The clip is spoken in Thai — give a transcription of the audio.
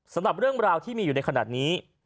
สำหรับเรื่องราวที่มีอยู่ในขณะนี้